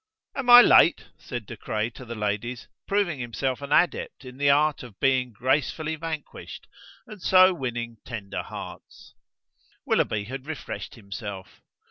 "Am I late?" said De Craye to the ladies, proving himself an adept in the art of being gracefully vanquished, and so winning tender hearts. Willoughby had refreshed himself.